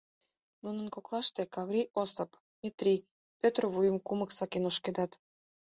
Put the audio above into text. Нунын коклаште Каврий Осып, Метри, Пӧтыр вуйым кумык сакен ошкедат.